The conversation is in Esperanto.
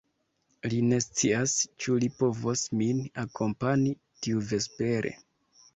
Li ne scias, ĉu li povos min akompani tiuvespere.